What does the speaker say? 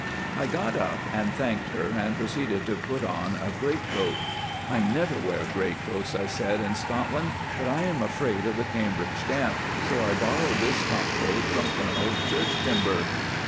'" I got up and thanked her, and proceeded to put on a greatcoat. "I never wear greatcoats," I said, "in Scotland, but I am afraid of the Cambridge damp, so I borrowed this topcoat from Colonel Churchtimber."